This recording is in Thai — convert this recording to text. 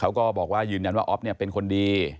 และก็จะรับความจริงของตัวเอง